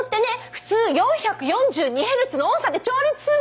普通４４２ヘルツの音叉で調律するの！